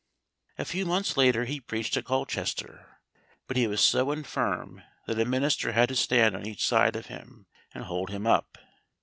A few months later he preached at Colchester; but he was so infirm that a minister had to stand on each side of him, and hold him up.